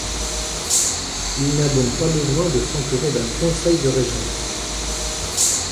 Il n'a donc pas besoin de s'entourer d’un conseil de régence.